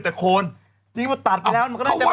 แต่โคนจริงว่าตัดไปแล้ว